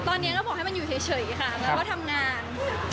ตอนนี้เราบอกให้มันอยู่เฉยค่ะแล้วก็ทำงาน